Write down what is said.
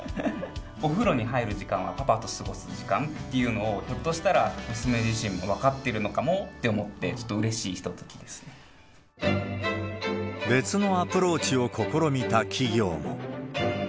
お風呂に入る時間はパパと過ごす時間というのを、ひょっとしたら娘自身も分かっているのかもと思って、別のアプローチを試みた企業も。